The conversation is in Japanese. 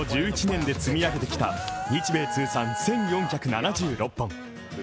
１１年で積み上げてきた日米通算１４７６本。